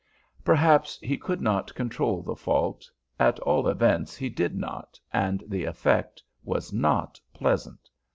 Perhaps he could not control the fault; at all events he did not, and the effect was not pleasant.